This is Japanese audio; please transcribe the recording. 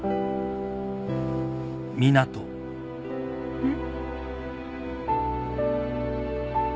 うん？